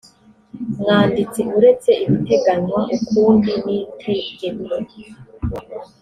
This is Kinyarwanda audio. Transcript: mwanditsi uretse ibiteganywa ukundi n itegeko